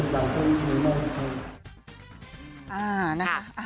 ต่างประเทศเดี๋ยวมา